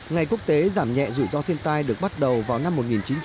ngày quốc tế giảm nhẹ rủi ro thiên tai được bắt đầu vào năm một nghìn chín trăm bảy mươi